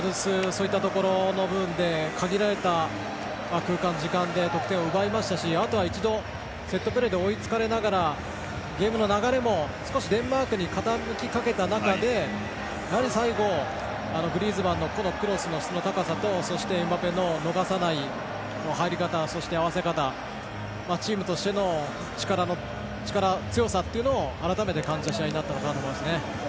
そういったところの部分で限られた空間、時間で得点を奪いましたしあとは、一度セットプレーで追いつかれながらゲームの流れも少しデンマークに傾きかけた中でやはり最後、グリーズマンの個のクロスの質の高さとエムバペの逃さない入り方そして合わせ方チームとしての力強さというものを改めて感じた試合になったのかなと思います。